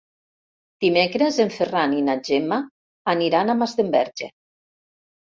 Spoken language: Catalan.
Dimecres en Ferran i na Gemma aniran a Masdenverge.